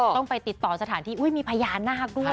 ต้องไปติดต่อสถานที่มีพญานาคด้วย